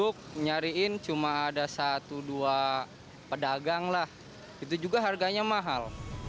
untuk nyariin cuma ada satu dua pedagang lah itu juga harganya mahal